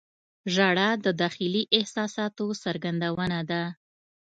• ژړا د داخلي احساساتو څرګندونه ده.